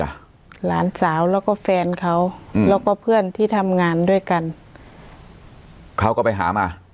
หลานสาวแล้วก็แฟนเขาอืมแล้วก็เพื่อนที่ทำงานด้วยกันเขาก็ไปหามา